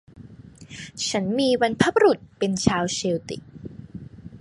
ฉันมีบรรพบุรุษเป็นชาวเชลติก